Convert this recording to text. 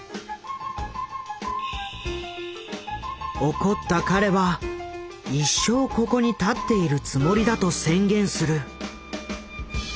怒った彼は一生ここに立っているつもりだと宣言する。